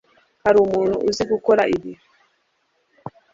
hari umuntu uzi gukora ibi